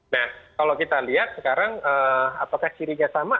nah kalau kita lihat sekarang apakah cirinya sama